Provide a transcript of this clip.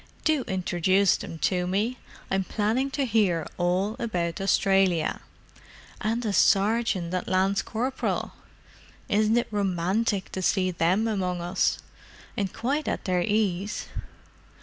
Do introduce them to me: I'm planning to hear all about Australia. And a sergeant and lance corporal! Isn't it romantic to see them among us, and quite at their ease.